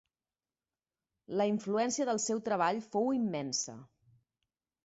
La influència del seu treball fou immensa.